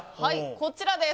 こちらです。